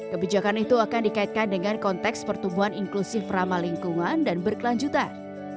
kebijakan itu akan dikaitkan dengan konteks pertumbuhan inklusif ramah lingkungan dan berkelanjutan